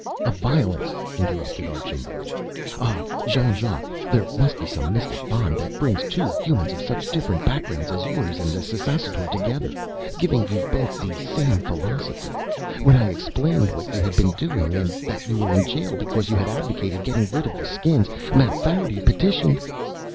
"Of Violence," interrupted Archambaud. "Ah, Jean Jacques, there must be some mystic bond that brings two Humans of such different backgrounds as yours and the Ssassaror together, giving you both the same philosophy. When I explained what you had been doing and that you were in jail because you had advocated getting rid of the Skins, Mapfarity petitioned...."